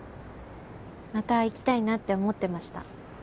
また行きたいなって思ってました。